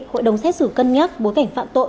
hội đồng xét xử cân nhắc bối cảnh phạm tội